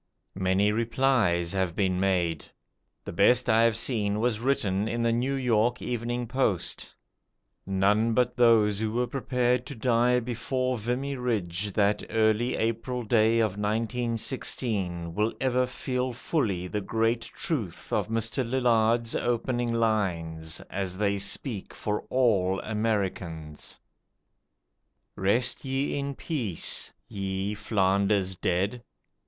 Many "replies" have been made. The best I have seen was written in the 'New York Evening Post'. None but those who were prepared to die before Vimy Ridge that early April day of 1916 will ever feel fully the great truth of Mr. Lillard's opening lines, as they speak for all Americans: "Rest ye in peace, ye Flanders dead.